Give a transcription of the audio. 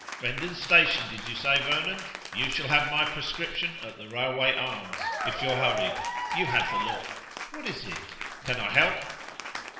Rendon station, did you say, Vernon? You shall have my prescription at the Railway Arms, if you're hurried. You have the look. What is it? Can I help?"